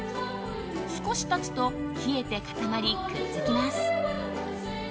少し経つと冷えて固まりくっつきます。